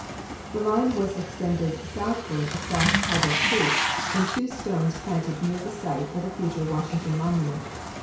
The line was extended southward across Tiber creek and two stones planted near the site of the future Washington monu ment.